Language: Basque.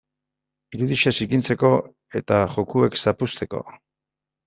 Irudia zikintzeko eta jokoak zapuzteko.